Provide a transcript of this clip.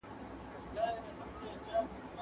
پرېکړي بايد په ډېر دقت او ژور فکر سره وسي.